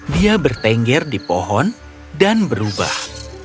dia bertengger di pohon dan berubah